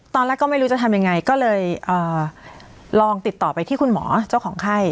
ตอนแรกก็ไม่รู้จะทำยังไงก็เลยลองติดต่อไปที่คุณหมอเจ้าของไข้